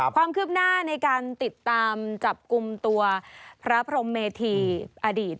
ความคืบหน้าในการติดตามจับกลุ่มตัวพระพรมเมธีอดีต